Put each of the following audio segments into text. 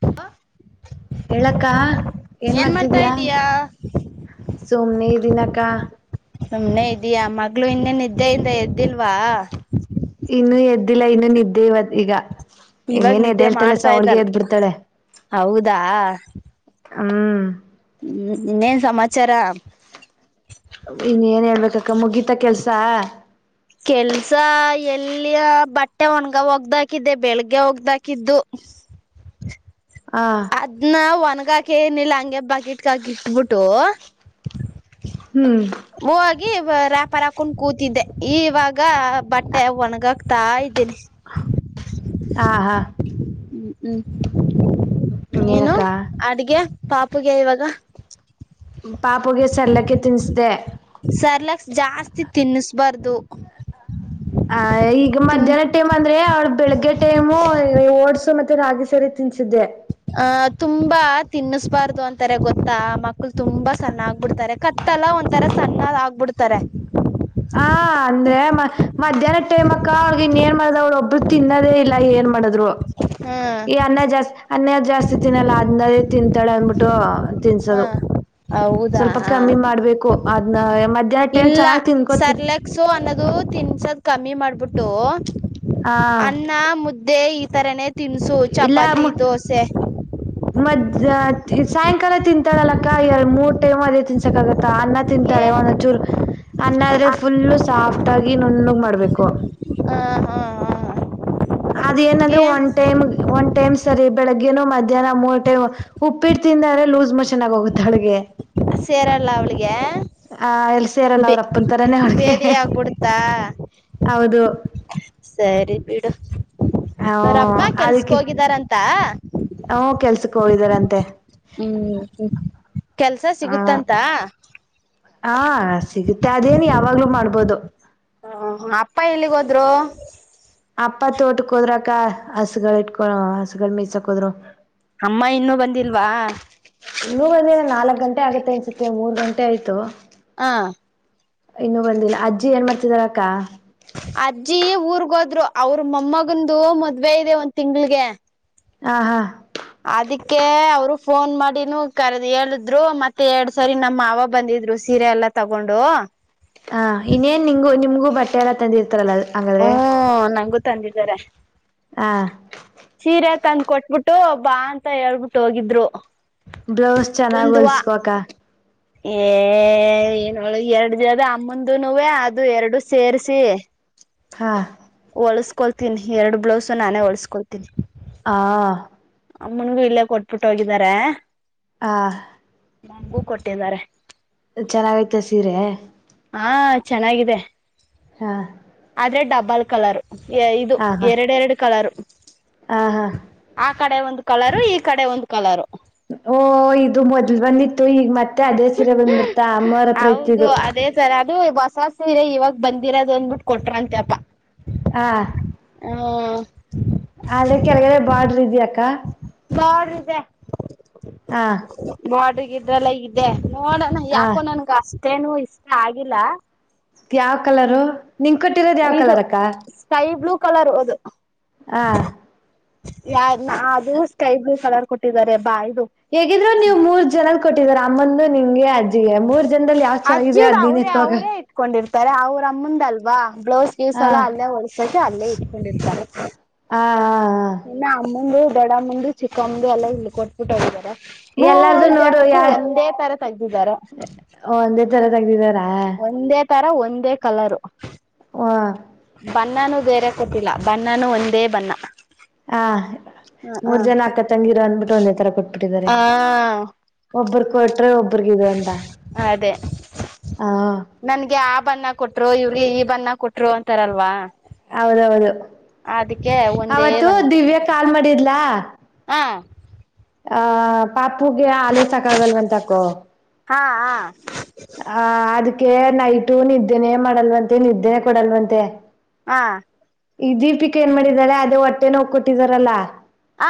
ಹ್ [inaudible] ಹೇಳಕ್ಕ ಏನ್ ಮಾಡ್ತಾ ಮಾಡ್ತಿದಿಯ ಇದೀಯಾ ಸುಮ್ನೆ ಇದಿನಕ್ಕ ಸುಮ್ನೆ ಇದೀಯ ಮಗಳು ಇನ್ನೇ ನಿದ್ದೆಯಿಂದ ಎದ್ದಿಲ್ವಾ ಇನ್ನುೂ ಎದ್ದಿಲ್ಲ ಇನ್ನುೂ ನಿದ್ದೆ ಇವತ್ ಈಗ ಇವಾಗ ಇನ್ನೇನದ್ ನಿದ್ದೆ ಹೇಳ್ತಲ್ಲಸ ಮಾಡ್ತಾ ಹೋಳ್ಗ ಇದ್ದಲ್ ಎದ್ ಬಿಡ್ತಾಳೆ ಹೌದಾ ಹ್ಮ್ ಹ್ಮ್ ಇನ್ನೇನ್ ಸಮಾಚಾರ ಇನ್ ಏನ್ ಹೇಳ್ಬೇಕಕ್ಕ ಮುಗಿತ ಕೆಲ್ಸ ಕೆಲ್ಸ ಎಲ್ಲಿಯ ಬಟ್ಟೆ ಒಣಗ ಒೋಗ್ದಾಕಿದ್ದೆ ಬೆಳಗ್ಗೆ ಹೋಗ್ದಾಕಿದ್ದು ಹ ಅದ್ನ ಒನ್ಗಾಕ ಏನಿಲ್ಲ ಹಂಗೆ ಬಕಿಟ್ಕಾಕಿ ಇಟ್ಬಿಟ್ಟು ಹ್ಮ್ ಹಗಿ ರೇಪರ ಹಾಕೊಂಡ್ ಕೂತಿದ್ದೆ ಈ ಇವಾಗ ಬಟ್ಟೆ ಒಣಗಾಕ್ತಾ ಇದ್ದೇನೆ ಹ ಹಾ ಹ್ಮ ಹ್ಮ ಏನು ಇನ್ನೇನಕ್ಕ ಅಡ್ಗೆ ಪಾಪಗೆ ಇವಾಗ ಪಾಪುಗೆ ಸರ್ಲೇಕ್ ತನ್ನಿಸ್ದ ಸರ್ಲಕ್ ಜಾಸ್ತಿ ತಿನ್ನಿಸಬಾರ್ದು ಆ ಈಗ ಮಧ್ಯಾಹ್ನ ಟೈಮ್ ಅಂದ್ರೆ ಅವ್ಳ ಬೆಳಗ್ಗೆ ಟೈಮ್ ಓಡ್ಸು ಮತ್ತೆ ರಾಗಿ ಸರಿ ತಿನ್ಸಿದ್ದೆ ಆಹ ತುಂಬಾ ತಿನ್ನಿಸಬಾರ್ದು ಅಂತಾರೆ ಗೊತ್ತಾ ಮಕ್ಳು ತುಂಬಾ ಸಣ್ಣಾಗಬಿಡ್ತಾರೆ ಕತ್ತ ತಲಾ ಒಂಂತರ ಸಣ್ಣ ಆಗ್ಬಿಡ್ತಾರೆ ಹಾ ಅಂದ್ರೆ ಮ ಮಧ್ಯಾಹ್ನ ಟೈಮ್ಕ್ಕ ಅವಳಗ ಇನ್ ಏನ್ ಮಾಡದ್ ಅವ್ಳ ಒಬ್ರು ತಿನ್ನೋದೇ ಇಲ್ಲ ಏನ್ ಮಾಡದ್ರು ಹ್ಮ ಅನ್ನ ಜಾಸ್ತಿ ಅನ್ನ್ ಜಾಸ್ತಿ ತಿನ್ನಲ್ಲ ಅದ್ನಲೆ ತಿಂತಾಳೆ ಅನ್ಬಿಟ್ಟು ಹ ತಿನ್ಸೋದು ಹೌದಾ ಸ್ವಲ್ಪ ಕಮ್ಮಿ ಮಾಡ್ಬೇಕು ಅದ್ನ ಮಧ್ಯಾಹ್ನ ಟೈಮ್ ಚೆನ್ನಾಗ್ ತಿನ್ಕೊತ್ ಅನ್ನದು ತಿನ್ಸದ ಕಮ್ಮಿ ಮಾಡ್ಬಿಟ್ಟು ಹಾ ಅನ್ನ ಮುದ ದೇ ಈ ತರನೇ ತಿನ್ಸು ಚಪಾತಿ ದೋಸೆ ಮದ ಸಾಯಂಕಾಲ ತಿಂತಾಳಲ್ಲಕ್ಕ ಎ ಮೂರು ಟೈಮ್ ಅದೇ ತಿನ್ಸಕ್ಕಾಗತ್ತೆ ಅನ್ನ ಏ ತಿಂತಾಳೆ ಒಂದಚೂರ್ ಅನ್ನ ಆದ್ರೆ ಫುಲ್ ಸಾಫ್ಟ್ ಆಗಿ ನುಣ್ಣಗ್ ಮಾಡ್ಬೇಕು ಹಾ ಹಾ ಹಾ ಅದ ಏನಂದ್ರೆ ಒನ್ ಟೈಮ್ ಒ ಟೈಮ್ ಸರಿ ಬೆಳಿಗ್ಗೆೇನ ಮಧ್ಯಾಹ್ನ ಮೂರು ಟೈಮ್ ಉಪ್ಪಿಟ್ಟ ತಿಂದ್ರ ಲೂಸ್ ಮೋಷನ್ ಆಗಿ ಹೋಗುತ್ತೆ ಹಳಗೆ ಸೇರಲ್ಲ ಅವ್ಳಿಗೆ ಆ ಎಲ್ಲಿ ಸೇರಲ್ಲ ಅವ್ರಪ್ಪಂತರಾನೇ ಅವಡ್ಗೆ ಬೇರೆ ಆಗ್ಬಿಡ್ತಾ ಹೌದು [unintelligible] ಸರಿ ಬಿಡು ಹ ಅವ್ರಪ್ಪ ಕೆಲ್ಸಕ್ ಅದಕ್ಕೆ ಹೋಗಿದಾರಂತ [unintelligible] ಹ ಕೆಲ್ಸ [unintelligible] ಹ್ಮ್ ಕೆಲ್ಸ ಹ ಸಿಗುತ್ತಂತ ಹಾ ಸಿಗುತ್ತೆ ಅದೇನ್ ಯಾವಾಗ್ಲೂ ಮಾಡ್ಬೋದು ಹ ಅಪ್ಪ ಎಲ್ಲಿಗೆ ಹೋದ್ರು ಅಪ್ಪ ತೋಟಕ್ಕೆ ಹೋದ್ರಕ್ಕ ಹಸುಗಳ ಇಟ್ಕೊ ಹಸುಗಳು ಮೀಸಾಕ್ ಹೋದ್ರು- ಅಮ್ಮ ಇನ್ನು ಬಂದಿಲ್ವಾ ನೀಂದ ನಾಲ್ಕಗಂಟೆ ಆಗತ್ತೆ ಅನ್ಸುತ್ತೆ ಮೂರ್ ಗಂಟೆ ಆಯ್ತು ಹಾ ಇನ್ನು ಬಂದಿಲ್ಲ ಅಜ್ಜಿ ಏನ್ ಮಾಡ್ತಿದಾರ ಅಕ್ಕ ಅಜ್ಜಿ ಊರ್ಗೋದ್ರು ಅವ್ರ ಮಮ್ಮಗಂದು ಮದ್ವೆ ಇದೆ ಒಂದ್ ತಿಂಗಳಗೆ ಆ ಹಾ ಅದಕ್ಕೆ ಅವರು ಫೋನ್ ಮಾಡಿನೂ ಕರದ್ ಹೇಳಿದ್ರು ಮತ್ತೆ ಎರಡ್ ಸರಿ ನಮ್ಮ ಮಾವ ಬಂದಿದ್ರು ಸೀರೆ ಎಲ್ಲಾ ತಗೊಂಡು ಹ ಇನ್ನೇನ್ ನಿಂಗು ನಿಮಗೂ ಬಟ್ಟೆ ಎಲ್ಲಾ ತಂದಿರ್ತಾರಲ್ಲ ಅದು ಹ್ಮ ನಂಗೂ ತಂದಿದ್ದಾರೆ ಹ ಚೀರೆ ತಂದ್ ಕೊಟ್ಬಿಟ್ಟು ಬಾ ಅಂತ ಹೇಳ್ಬಿಟ್ಟು ಹೋಗಿದ್ರು ಬ್ಲೌಸ್ ಚೆನ್ನಾಗ್ ಒಂದ್ ವಾ ಹೊಲ್ಸ್ಕೋಕ ಏ ಏನಳ ಎರಡು ದಿನದ ಅಮ್ಮಂದನು ಅದು ಎರಡು ಸೇರಿಸಿ [unintelligible] ಹಾ [unintelligible] ಒಳಸ್ಕೊಳ್ತೀನಿ ಎರಡು ಬ್ಲೌಸ ನಾನೇ ಒಳ್ಸ್ಕೊಳ್ತೀನಿ [unintelligible] ಆ [unintelligible] ಅಮ್ಮನ್ಗೂ ಇಲ್ಲೇ ಕೊಟ್ಬಿಟ್ಟ ಹೋಗಿದಿದ್ದಾರೆ [unintelligible] ಆ [unintelligible] ನಗೂ ಕೊಟ್ಟಿದ್ದಾರೆ ಚೆನ್ನಾಗೈತೆ ಸೀರೆ [unintelligible] ಹಾ ಚೆನ್ನಾಗಿದೆ [unintelligible] ಹಾ [unintelligible] ಆದ್ರೆ ಡಬಲ್ ಕಲರು ಇದು ಆ ಹಾ ಎರಡೆರಡು ಕಲರು [unintelligible] ಆ ಹಾ [unintelligible] ಆ ಕಡೆ ಒಂದು ಕಲರು ಈ ಕಡೆ ಒಂದು ಕಲರು [unintelligible] ಓ ಇದು ಮೊದ್ಲು ಬಂದಿತ್ತು ಈಗ ಮತ್ತೆ ಅದೇ ಸೀರೆ ಬಂದ್ಬಿಡ್ತಾ ಅಮ್ಮವ ಹತ್ರ ಇತಿದು [unintelligible] ಸರ್ ಅದು ಬಸವ ಸೀರೆ ಇವಾಗ ಬಂದಿರೋದು ಅಂದ್ಬಿಟ್ಟು ಕೊಟ್ರ ಅಂತೆಪಾ [unintelligible] ಹಾ [unintelligible] ಹ [unintelligible] ಆದ್ರೆ ಕೆಳಗಡೆ ಬಾಡ್ರ ಇದ್ಯಾಕ್ಕ [unintelligible] ಬೊಡರ್ ಇದೆ ಹಾ ನೋಡ್ರಿಗ ಇದ್ರಲ್ಲ ಇ ನೋಡಣ ಹಾ ಯಾಕೋ ನನ್ಗ ಅಷ್ಟೇನು ಇಷ್ಟ ಆಗಿಲ್ಲ [unintelligible] ಯಾವ್ ಕಲರು ನಿಂಗ ಕಟ್ಟಿರೋದ ಯಾವ್ ಇದು ಕಲರ್ ಅಕ್ಕ [unintelligible] ಸ್ಕೈ ಬ್ಲೂ ಕಲರ್ ಅದು [unintelligible] ಹ [unintelligible] ಯಾ ಅದು ಸ್ಕೈ ಬ್ಲೂ ಕಲರ್ ಕೊಟ್ಟಿದ್ದಾರೆ ಬಾ ಇದು [unintelligible] ಹೇಗಿದ್ರು ನೀವು ಮೂರು ಜನದ ಕೊಟ್ಟಿದಾರ ಅಮ್ಮಂದು ನಿಂಗೆಅಜ್ಜಿಗೆ ಮೂರು ಜನ [unintelligible] ಜನದಲ್ಲಿ ಯಾವ್ ಚೆನ್ನಾಗಿದೆ ಅದ ನೀನ್ ಎತ್ಕಾಗ [unintelligible] ಇಕೊಂಡಿರ್ತಾರೆ ಅವ್ರಮ್ಮಂದಲ್ವಾ ಬ್ಲೌಸ್ ಪಿಸ್ ಹಾ ಎಲ್ಲ ಅಲ್ಲೇ ಹೊಡಸಕೆ ಅಲ್ಲೇ ಇಟ್ಕೊಂಡಿರ್ತಾರೆ [unintelligible] ಹಾ ಹಾ ಹಾ [unintelligible] ಇಲ ಆಮ್ಮಂದು ದಡ ಮುಂದ ಚಿಕ್ಕಮ್ಮ್ದು ಎಲ್ಲ ಇಲ್ಲಿ ಕೊಟ್ಟಟ್ಬಿಟ್ಟು ಹೋಗಾರೆ [unintelligible] ಎಲ್ಲಾರ್ದು ಮೂರು ನೋಡು ಯಾ ಜನಕ್ಕೂ ಒಂದೇ ತರ ತೆಗ್ದಿದಾರ [unintelligible] ಒಂದೇ ತರ ತಗ್ದಿದಾರಾ ತರ ಒಂದೇ ಕಲರು ವಾಹ್ ಬಣ್ಣನುೂ ಬೇರೆ ಗೊತ್ತಿಲ್ಲ ಬಣ್ಣನೂ ಒಂದೇ ಬಣ್ಣ ಹಾ ಹ ಮೂರ್ ಹ ಜನ ಅಕ್ಕ ತಂಗಿರ ಅಂದ್ಬಿಟ್ಟು ಒಂದೇ ತರ ಕೊಟ್ಬಿಟ್ಟಿದ್ದಾರೆ ಹ ಒಬ್ಬ್ರ ಕೊಟ್ರೆ ಒಬ್ಬ್ರಗಿದದು ಅಂತ ಅದೇ ಹ ನನ್ಗೆ ಆ ಬಣ್ಣ ಕೊಟ್ರು ಇವ್ರಿಗೆ ಈ ಬಣ್ಣ ಕೊಟ್ರು ಅಂತಾರಲ್ವಾ ಹೌದೌದು ಅದಕ್ಕೆ ಒಂದೇ ಅವತ್ತು ಬಣ್ಣ ದಿವ್ಯಾ ಕೊಡ್ತಾರೆ ಕಾಲ್ ಮಾಡಿದ್ಲಾ ಹಾ ಆ ಪಾಪುಗೆ ಆಲೆ ಸಾಕಾಗಲ್ವಂತಕೋ. ಹಾ ಹ ಹ ಅದಕ್ಕೆ ನೈಟು ನಿದ್ದೆನೇ ಮಾಡಲ್ವಂತೆ ನಿದ್ದೇನೆ ಕೊಡಲ್ವಂತೆ. ಹಾ ಈ ದೀಪಿಕಿ ಏನ್ ಮಾಡಿದಾಳೇ ಅದೇ ಹೊಟ್ಟೆ ನೋವಿ ಕೊಟ್ಟಿದ್ದಾರಲ್ಲ. ಹ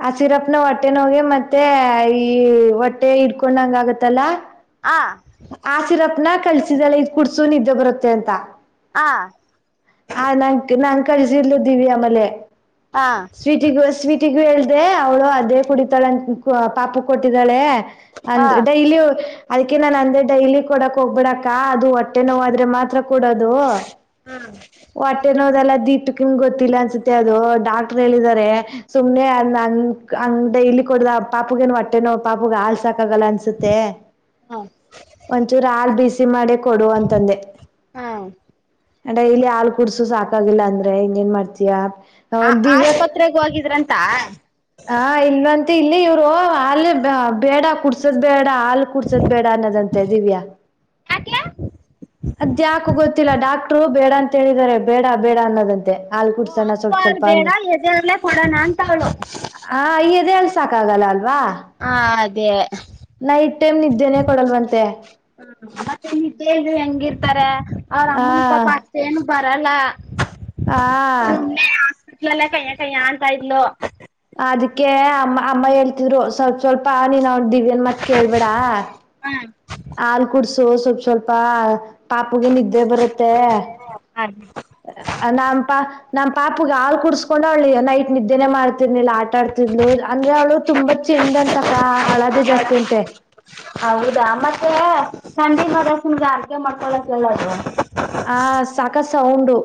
ಹ [inaudible] ಆ ಸಿರಪ್ನ ಹೊಟ್ಟೆ ನೋವ್ಗೇ ಮತ್ತೆ ಈ ಹೊಟ್ಟೆ ಇಡ್ಕೊಂಡಂಗ ಆಗತ್ತಲ್ಲ. ಆ ಆ ಸಿರಪ್ನ ಕಳ್ಸಿದಳೆ ಇದ್ ಕುಡ್ಸು ನಿದ್ದೆ ಬರುತ್ತೆ ಅಂತ. ಹಾ ಹ ನಂ ನಾನ್ ಕಳಿಸಿದ್ಲು ದಿವ್ಯ ಆಮೇಲೆ. ಹಾ ಸ್ವೀಟಿಗೂ ಸ್ವೀಟಿಗು ಹೇಳ್ದೇ ಅವಳು ಅದೇ ಕುಡಿತಾಳೆಂತ ಪಾಪ ಕೊಟ್ಟಿದ್ದಾಳೆ. ಹಾ ಅಂದ್ ಡೈಲಿ ಅದಕ್ಕೆ ನಾನ ಅಂದೆ ಡೈಲಿ ಕೊಡಕ್ ಹೋಗ್ಬಿಡಕ್ಕ ಅದು ಒಟ್ಟ್ ಹೊಟ್ಟೆ ನೋವಾದ್ರೆ ಮಾತ್ರ ಕೂಡೋದು. ಹೊಟ್ಟೆನೋವದಲ್ಲ ದೀಪಕಿಂಗ ಗೊತ್ತಿಲ್ಲ ಅನ್ಸತ್ತೆ ಅದು ಡಾಕ್ಟರ್ ಹೇಳಿದಿದಾರೆ. ಸುಮ್ಮನೆ ನಾನ್ ಹಂಗ್ ಡೈಲಿ ಕೊಡ್ದ ಪಾಪಗೇನು ಹೊಟ್ಟೆನೋ ಪಾಪಗ ಹಾಲ್ ಸಾಕಾಗಲ್ಲ ಅನ್ಸುತ್ತೆ. ಹಾ ಒಂಚೂರು ಹಾಲ್ ಬಿಸಿ ಮಾಡೆ ಕೊಡು ಅಂತಂದೆ. ಹಾಂ ಡೈಲಿ ಹಾಲ್ ಕುಡ್ಸು ಸಾಕಾಗಿಲ್ಲ ಅಂದ್ರೆ ಇನ್ ಏನ್ ಮಾಡ್ತಯ. ಆ ಆಸ್ಪತ್ರೆಗ್ ಹೋಗಿದ್ರಂತ. ಹ ಇಲ್ಂತ ಇಲ್ಲಿ ಇವ್ರು ಅಲ್ ಬೇ ಬೇಡ ಕುಡ್ಸ್ [unintelligible] ಕುಡ್ಸದ್ ಬೇಡ ಹಾಲ್ ಕುಡ್ಸದ್ ಬೇಡ ಅನ್ನೋದಂತೆ ದಿವ್ಯಾ. ಯಾಕೆ ಅದ್ಯಾಕೋ ಗೊತ್ತಿಲ್ಲ ಡಾಕ್ಟ್ರು ಬೇಡ ಅಂತ ಹೇಳಿದ್ದಾರೆ ಬೇಡ ಬೇಡ ಅನ್ನೋದಂತೆ. ಹಾಲ್ ಓ ಹ ಕುಡ್ಸೋಣ [unintelligible] ಸ್ವಲ್ಪ ಹಾಲ್ ಸ್ವಲ್ಪ ಅಂದ ಬೇಡ ಎದೆಹಾಲೆ ಕೊಡೋಣ ಅಂತ ಅವಳು. ಹ ಈ ಎದೆ ಹಾಲ್ ಸಾಕಾಗಲ್ಲ ಅಲ್ವಾ. ಹಾ ಅದೇ ನೈಟ್ ಟೈಮ್ ನಿದ್ದೇನೇ ಕೊಡಲ್ವಂತೆ. ಹ ಮತ್ತೆ ನಿದ್ದೆ ಇಲ್ದೆ ಹೆಂಗಿರ್ತಾರೆ ಅವ್ರ ಆ ಅಮ್ಮನ್ ಪಾಪ ಏನು ಬರಲ್ಲ. ಹಾಆ ಮೊದ್ಲೆಲ್ಲಾ ಕೈಯ್ಯಕೈಯ ಅಂತಾ ಇದ್ಲು. ಅದಕ್ಕೆ ಅಮ್ಮ ಅಮ್ಮ ಹೇಳ್ತಿದ್ರು ಸ್ವಲ್ಪ ಸ್ವಲ್ಪ ನೀನ್ ಅವ ದಿವ್ಯನ್ ಮತ್ ಕೇಳ್ಬೇಡ. ಹ್ಮ ಹಾಲ್ ಕುಡ್ಸು ಸ್ವಲ್ಪ್ ಸ್ವಲ್ಪ ಪಾಪುಗೆ ನಿದ್ದೆ ಬರುತ್ತೆ. ಅಲ್ನಪ. ನಮ್ ಪಾಪುಗೆ ಹಾಲ್ ಕುಡ್ಸ್ಕೊಂಡ್ ಅವ್ಳು ನೈಟ್ ನಿದ್ದೆನೆ ಮಾಡ್ತರ್ನಿಲ್ಲ ಆಟಾಡ್ತಿದ್ಲು ಅಂದ್ರೆ ಅವಳು. ತುಂಬಾ ಚೆಂಡ್ ಅಂತಕ್ಕ ಅಳದೇ ಜಾಸ್ತಿ ಅಂತೆ. ಹೌದಾ ಮತ್ತೆ ಸಂಜೆ [unintelligible] ಅರ್ಕಿ ಮಾಡ್ಕೊಳಕ್ಕೆ ಹೇಳು ಅವಳಿಗೆ. ಆ ಸಕ ಸೌಂಡು.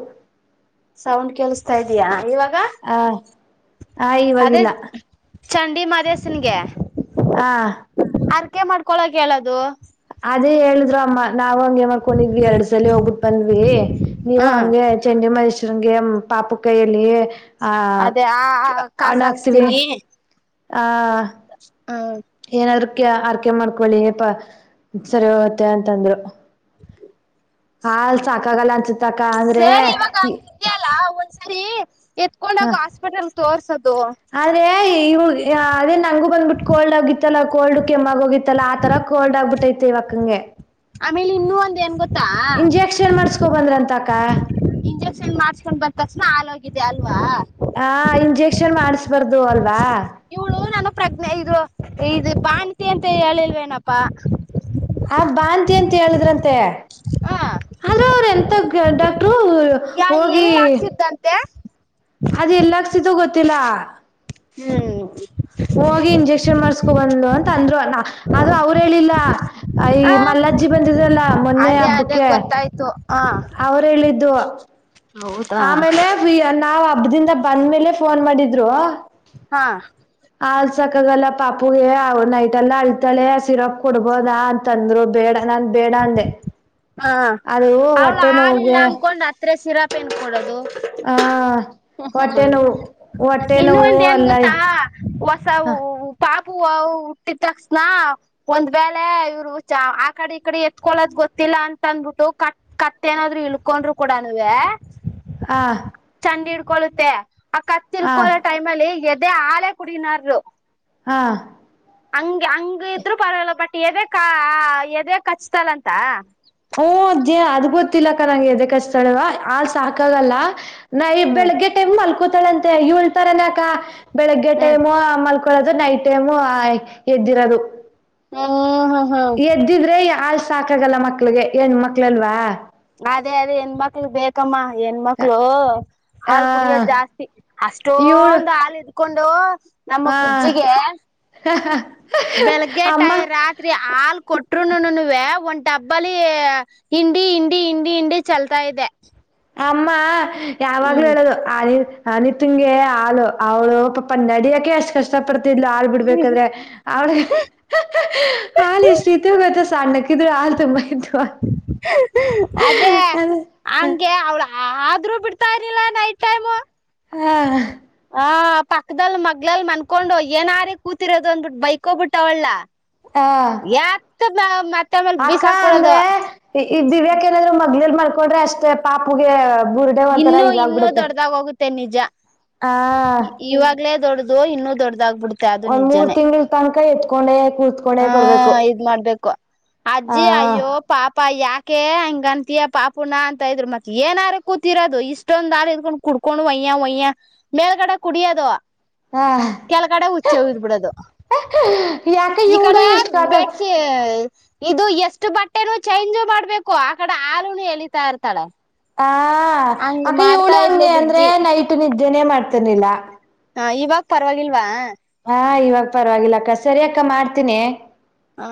ಸೌಂಡ್ ಕೇಳಸ್ತಾ ಇದಯಾ ಇವಾಗ. ಹ ಹ ಇವಾಗಿಲ್ಲ. ಅದೇ ಚಂಡಿ ಮದಸನ್ಗೆ. ಹಾ. ಅರ್ಕೆ ಮಾಡ್ಕೊಳಕ್ ಹೇಳದು. ಅದೇ ಹೇಳಿದ್ ಅಮ್ಮ ನಾವ್ಂಗಗೆ ಮಾಡ್ಕೊಂಡಿದ್ವಿ ಎರಡ್ ಸಲ ಹೋಗ್ಬಿಟ್ ಬಂದ್ವಿ. ನೀವು ಹಂಗೆ ಚಂಡಿ ಮಹೇಶ್ವಗೆ ಪಾಪು ಕೈಯಲ್ಲಿ. ಹ ಅದೇ ಆ ಅಣ ಕಾಸ ಆಕ್ತಿವಿ ಹಾಕ್ಸ್ತೀನಿ ಆ. ಹ್ಮ್. ಏನಾದ್ರ ಕ ಅರ್ಕೆ ಮಾಡ್ಕೊಳ್ಳಿಪ ಸರಿ ಹೋಗುತ್ತೆ ಅಂತಂದ್ರು. [unintelligible] [inaudible] ಹಾಲ್ ಸಾಕಾಗಲ್ಲ. ಅನ್ಸುತ್ತಕ್ಕ ಅಂದ್ರೆ ಸರಿ ಇವಾಗ ಹಂಗಿದ್ಯಲ್ಲ ಒಂದ್ಸರಿ ಎತ್ಕೊಂಡಾಗ ಹಾಸ್ಪಿಟಲ್ ತೋರ್ಸೋದು. ಅದೇ ಇವ ಅದೇ ನಂಗು ಬಂದ್ಬಿಟ್ಟು ಕೋಲ್ಡ್ ಆಗಿತ್ತಲ್ಲ ಕೋಲ್ಡ್ ಕೆಮ್ಮಾಗ ಹೋಗಿತ್ತಲ್ಲಾ ಆತರ. ಕೋಲ್ಡ್ ಆಬ್ಬಟ್ಟೈತೆ ಇವಾಗ ನಂಗೆ. ಆಮೇಲೆ ಇನ್ನುೂ ಒಂದ್ ಗೊತ್ತಾ. ಇಂಜೆಕ್ಷನ್ ಮಾಡಸ್ಕೊ ಬಂದ್ರ ಅಂತ ಅಕ್ಕ. ಇಂಜೆಕ್ಷನ್ ಮಾಡ್ಸ್ಕೊಂಡ್ ಬಂದ ತಕ್ಷಣ ಹಾಗೋಗಿದೆ ಅಲ್ವಾ. ಹ ಇಂಜೆಕ್ಷನ್ ಮಾಡಿಸಬಾರ್ದು ಅಲ್ವಾ. ಇವಳು ನನ್ನ ಪ್ರಜ್ಞೆ ಇದು ಇದು ಬಾಣತಿ ಅಂತ ಹೇಳಿಲ್ವೇನಪ್ಪಾ. ಆ ಬಾಂತಿ ಅಂತ ಹೇಳಿದ್ರಂತೆ ಹ ಹಲೋ ಎಂಥ ಎಂತ ಡಾಕ್ಟ್ರು. ಯ ಹೋಗಿ ಎಲ್ಲ ಹಾಕ್ಸಿದ್ದಂತೆ. ಅದ ಎಲ್ಲಕ್ಸಿತೋ ಗೊತ್ತಿಲ್ಲ. ಹ್ಮ್. ಹೋಗಿ ಇಂಜೆಕ್ಷನ್ ಮಾಡ್ಸ್ಕೊ ಬಂದ್ರು ಅಂತ ಅಂದ್ರು ಅದು ಅವ್ರ ಹೇಳಿಲ್ಲ. ಅಯ ಹ ಮಲ್ಲಜ್ಜಿ ಬಂದಿದಲ್ಲಾ ಮೊನ್ನೆ ಅದೇ ಅದೇ ಹಬ್ಬಕ್ಕೆ. [unintelligible] ಅವರು ಹೇಳಿದ್ದು. ಹೌದಾ ಆಮೇಲೆ ನಾವ್ ಹಬ್ಬದಿಂದ ಬಂದ್ಮೇಲೆ ಫೋನ್ ಮಾಡಿದ್ರು. ಹಾ. ಆಲ್ಸಕಾಗಲ್ಲ ಪಾಪುಗೆ ಅವ ನೈಟ್ ಎಲ್ಲ ಅಳ್ತಾಳೆ ಸಿರಪ್ ಕೊಡ್ಬೋದ ಅಂತ. ತಂದ್ರು ಬೇಡ ಬೇಡ ಅಂದೆ. ಹಾ ಅದು ಅವಳ ಹೊಟ್ಟೆ ಹಾಲಿಲ್ಲ ನೋವಿಗೆ ಅಂದಕೊಂಡ್ ಅತ್ರ ಸಿರಾಪ್ ಏನ್ ಕೊಡೋದು. ಆ ಹ ಹ್ಮ ಹೊಟ್ಟೆ ಹ್ಮ ನೋವು ಹೊಟ್ಟೆ ಇನ್ನು ನೋವು ಒಂದು ನ್ ಅಲ್ಲ ಗೊತ್ತಾ. ಹೊಸ ಹ ಪಾಪು ಹುಟ್ಟಿದ್ರಕ್ಷಸ್ನಾ. ಒಂದ್ ವೇಳೆ ಇವ್ರು ಆ ಕಡೆ ಈ ಕಡೆ ಎತ್ಕೊಳೋದ್ ಗೊತ್ತ. ಕತ್ತಿಲ್ಲಾ ಅಂತ ಅಂದ್ಬಿಟ್ಟು ಕತ್ ಕತ್ತ ನಾದ್ರು ಇಳ್ಕೊಂಡ್ರು ಕೂಡ ನವೆ. ಹ. ಚಂಡ್ ಹಿಡ್ಕೋಳ್ಳುತ್ತೆ ಆ. ಹಾ. ಎದೆೇ ಹಾಲು ಕುಡಿನಾರ. ಹಾ. ಹಂಗಗೆ ಹಂಗ ಇದ್ರು ಪರವಾಗಿಲ್ಲ ಬಟ್ ಎದೆ ಕ ಎದೆ ಕಚ್ತಲ್ಲಂತ. ಹಓ ಅದೇ ಅದ್ ಗೊತ್ತಿಲ್ಲಕ್ಕ ನಂಗೆ ಎದ ಕಸ್ತಾಳವ ಆ ಸಾಕಾಗಲ್ಲ. ನಾ ಹ್ಮ್ ಬೆಳಗ್ಗೆ ಟೈಮ್ ಮಲ್ಕೋತಾಳ ಅಂತೆ ಈ ಉಳ್ತಾರನಕ ಬೆಳಗ್ಗೆ ಹ್ಮ್ ಟೈಮ್ ಮಲ್. ಕೊಳ್ಳೋದು ನೈಟ್ ಟೈಮು ಎದ್ದಿರೋದು. ಓ ಹ ಹಾ. ಎದ್ದಿದ್ರೆ ಈ ಹಾಲ್ ಸಾಕಾಗಲ್ಲ ಮಕ್ಳಿಗೆ ಹೆಣ್ ಮಕ್ಳಲ್ವಾ. ಅದೇ ಅದೇ ಹೆಣ್ ಮಕ್ಳಿಗೆ ಬೇಕ್ ಕ್ಕಮ್ಮ ಹೆಣ್ ಮಕ್ಳು ಹ ಹಾಲ್ ಕುಡಿಯೋದ ಜಾಸ್ತಿ ಇವಳು ಅಷ್ಟೊಂದು ಹಾಲ್ ಇ ಕೊಂಡು ನಮ್ಮ ಹ ಕುಜ್ಜಿಗೆ ಬೆಳಗ್ಗೆ ಟೈ ಅಮ್ಮ ರಾತ್ ತ್ರೀ ಹಾಲ್ ಕೊಟ್ರುನುನುವೇ ಒಂದ್ ಡಬ್ಬಲಿ ಹಿಂಡಿ ಂಡಿ ಹಿಂಡಿ ಹಿಂಡಿ ಚಲ್ತಾ ಇದ್ದೆ. ಅಮ್ಮ ಯಾವಾಗ್ಲೂ ಹೇಳದು. ಅನಿತಂಗೇ ಹಾಲು ಅವಳು ಪಾಪ ನಡಿಯಕೆ ಅಷ್ಟು ಕಷ್ಟ ಪಡ್ತಿದ್ಲು ಹಾಲ್ ಬಿಡ್ಬೇಕಾದ್ರೆ. ಅವ್ಳ ಹಾಲ್ ಎಷ್ಟ ಇತ್ತು ಗೊತ್ತಾ ಸಣ್ಣಕ್ಕಿದ್ರೂ ಹಾಲ್ ತುಂಬ್ ಇದ್ವು. ಅದೇ ಹಂಗೆ ಅವ್ಳ ಹಾ ಆದ್ರೂ ಬಿಡ್ತಾ ಇರ್ಲಿಲ್ಲ ನೈಟ್ ಟೈಮು. ಹಾ. ಹಾ ಪಕ್ಕದಲ್ ಮಗ್ಲಲ್ ಮನ್ಕೊಂಡು ಏನಾರ ಕೂತಿರೋದು ಅಂದ್ಬಿಟ್ಟು ಬೈಕೋಬಿಟ್ಟವಲ್ಲ. ಹಾ ಎತ್ ಮತ್ತೆಮೇಲ್ ಅಕ್ಕ ಬೀಸಾಕ್ಬಿಡೋದು. ಅಂದ್ರೆ ಈ ದಿವ್ಯಾಕ್ ಏನಾದ್ರೂ ಮಗ್ಲಲ್ ಮಾಲ್ಕೊಂಡ್ರೆ ಅಷ್ಟೇ ಪಾಪುಗೆ ಬುರ್ ಇನ್ನು ಇನ್ನೂ ದೊಡ್ಡದಾಗ ಹೋಗುತ್ತೆ ನಿಜ. ಆ ಇವಾ ಗ್ಲೇ ದೊಡ್ದು ಇನ್ನು ದೊಡ್ದ ಆಗ್ಬಿಡ್ ಒಂದ್ ಮೂರ್ ತಿಂಗ್ಳು ತನಕ ಎತ್ಕೊಂಡೆ ಕೂತ್ ಹಾ ಇದ್ ಮಾಡ್ಬೇಕು ಆ ಅಜ್ಜಿ ಅಯ್ಯೋ ಪಾಪ ಯಾಕೆ ಹಂಗ ಅಂತಿಯ ಪಾಪುನ ಅಂತ ಇದ್ರು ಮತ್ತ ಏನಾರು ಕೂತಿರೋದು ಇಷ್ ಷ್ಟೊಂದು ಆಲ್ ಇದ್ಕೊಂಡ್ ಕುಡ್ಕೊಂಡು ಒಯ್ಯ ಒಯ್ಯ ಮೇಲ್ಗಡೆ ಕುಡಿಯೋದು. ಆ ಕೆಳ್ಗಡೆ ಉಚ್ಚೆ ಹುಯ್ದಬಿಡೋದು. ಯಾಕೆ ಇವ್ಳು ಎಷ್ಟು ಕಾಟ ಏ ಇದು ಎಷ್ಟು ಬಟ್ಟೆನೂ ಚೇಂಜ್ ಮಾಡ್ಬೇಕು ಆ ಕಡೆ ಹಾಲುನು ಎಳಿತಾ ಇರ್ತಾಳೆ. ಆ ಹಂಗ್ ಅಕ್ಕ ಮಾಡ್ತಾ ಇವ್ಳು ಇದ್ಲು ಹಂಗೆ ಅಂದ್ರೆ ಬುಜ್ಜಿ ನೈಟ್ ನಿದ್ದೆನೇ ಮಾಡ್ತರ್ನಿಲ್ಲ. ಹಾ ಇವಾಗ ಪರವಾಗಿಲ್ವಾ. ಹಾ ಇವಾಗ ಪರವಾಗಿಲ್ಲ ಅಕ್ಕ ಸರಿ ಅಕ್ಕ ಮಾಡ್ತೀನಿ. ಹಾ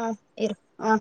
ಇರು ಹಾ.